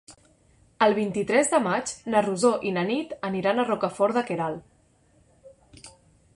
El vint-i-tres de maig na Rosó i na Nit aniran a Rocafort de Queralt.